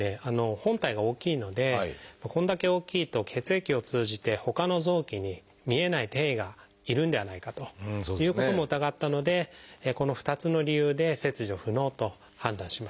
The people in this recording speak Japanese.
本体が大きいのでこれだけ大きいと血液を通じてほかの臓器に見えない転移がいるんではないかということも疑ったのでこの２つの理由で切除不能と判断しました。